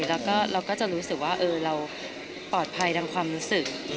แล้วก็เราก็จะรู้สึกว่าเราปลอดภัยดังความรู้สึก